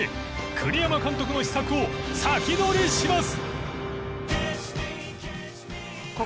栗山監督の秘策をサキドリします！